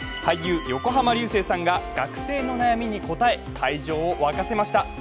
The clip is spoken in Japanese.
俳優、横浜流星さんが学生の悩みに答え会場を湧かせました。